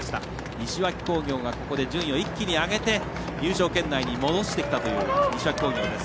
西脇工業がここで順位を一気に上げて優勝圏内に戻してきました。